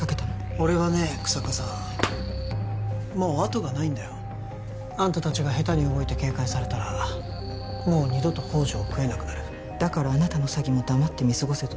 俺はね日下さんもう後がないんだよあんた達が下手に動いて警戒されたらもう二度と宝条を喰えなくなるだからあなたの詐欺も黙って見過ごせと？